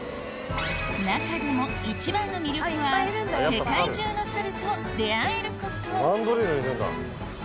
中でも一番の魅力は世界中のサルと出合えることマンドリルいるんだ。